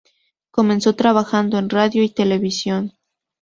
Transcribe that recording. Comenzó trabajando en radio y televisión.